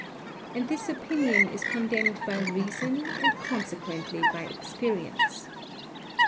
And this opinion is condemned by reason and consequently by experience.